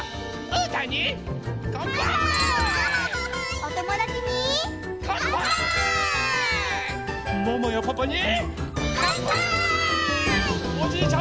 おじいちゃん